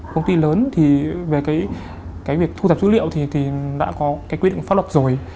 công ty lớn thì về cái việc thu thập dữ liệu thì đã có cái quy định pháp luật rồi